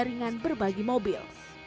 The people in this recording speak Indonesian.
untuk jaringan berbagi mobil